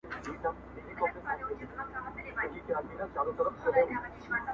o بد مه راسره کوه، ښه دي نه غواړم!